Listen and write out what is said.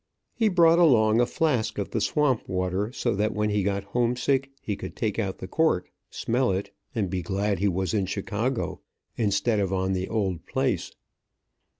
He brought along a flask of the swamp water, so that when he got homesick, he could take out the cork, smell it, and be glad he was in Chicago, instead of on the old place.